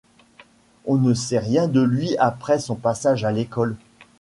On ne sait rien de lui après son passage à l'Ecole.